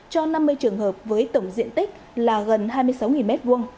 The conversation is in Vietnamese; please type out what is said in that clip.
cho năm mươi trường hợp với tổng diện tích là gần hai mươi sáu m hai